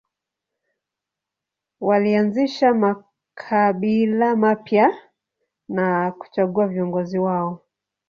Walianzisha makabila mapya na kuchagua viongozi wao.